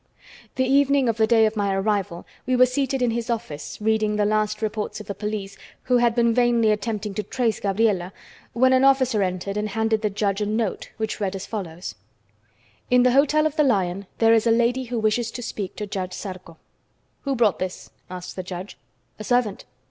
The evening of the day of my arrival we were seated in his office, reading the last reports of the police, who had been vainly attempting to trace Gabriela, when an officer entered and handed the judge a note which read as follows: "In the Hotel of the Lion there is a lady who wishes to speak to Judge Zarco." "Who brought this?" asked the judge. "A servant."